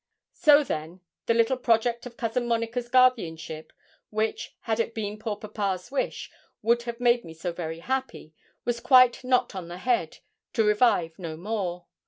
So, then, the little project of Cousin Monica's guardianship, which, had it been poor papa's wish, would have made me so very happy, was quite knocked on the head, to revive no more.